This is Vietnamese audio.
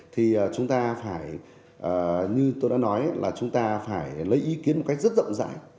thì chúng ta phải như tôi đã nói là chúng ta phải lấy ý kiến một cách rất rộng rãi